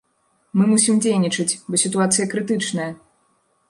Мы мусім дзейнічаць, бо сітуацыя крытычная!